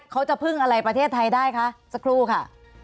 เขาจะพึ่งอะไรประเทศไทยได้คะสักครู่ค่ะ